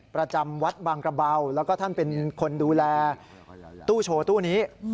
ประจำวัดบางกระเบาแล้วก็ท่านเป็นคนดูแลตู้โชว์ตู้นี้